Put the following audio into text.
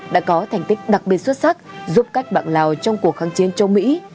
đã có thành tích đặc biệt xuất sắc giúp cách mạng lào trong cuộc kháng chiến châu mỹ